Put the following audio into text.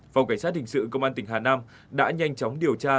phòng cảnh sát hình sự công an tỉnh hà nam đã nhanh chóng điều tra